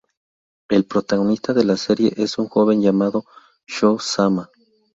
El protagonista de la serie es un joven llamado Shō Zama.